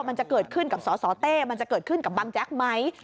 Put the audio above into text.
มันจะเกิดขึ้นกับสสเต้มันจะเกิดขึ้นกับบังแจ๊กไหม